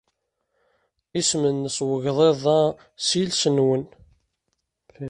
Isem-nnes wegḍiḍ-a s yiles-nwen?